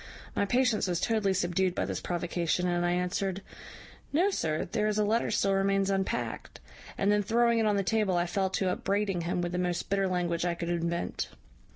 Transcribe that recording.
My patience was totally subdued by this provocation, and I answered, `No, sir, there is a letter still remains unpacked;' and then throwing it on the table I fell to upbraiding him with the most bitter language I could invent.